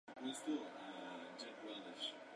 Ford Mustang